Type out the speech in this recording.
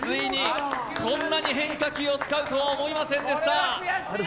こんなに変化球を使うとは思いませんでした。